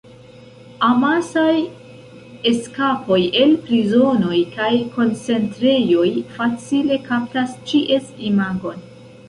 Amasaj eskapoj el prizonoj kaj koncentrejoj facile kaptas ĉies imagon.